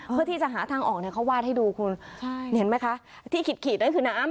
เพื่อที่จะหาทางออกเนี่ยเขาวาดให้ดูคุณใช่เห็นไหมคะที่ขีดขีดนั่นคือน้ำ